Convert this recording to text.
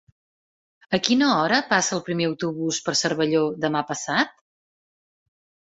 A quina hora passa el primer autobús per Cervelló demà passat?